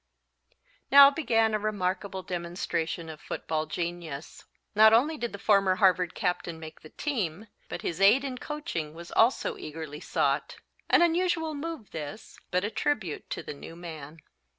Now began a remarkable demonstration of football genius. Not only did the former Harvard Captain make the team, but his aid in coaching was also eagerly sought. An unusual move this, but a tribute to the new man.